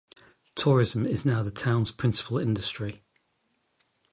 Tourism is now the town's principal industry.